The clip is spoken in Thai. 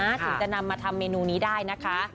ถึงจะนำมาทำเมนูนี้ได้นะคะ